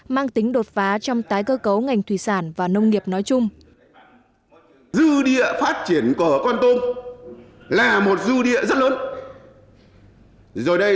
mang tính đột phá trong tái cơ cấu ngành thủy sản và nông nghiệp nói chung